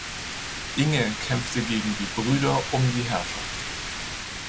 Inge kämpfte gegen die Brüder um die Herrschaft.